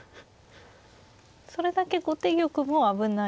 それだけ後手玉も危ない。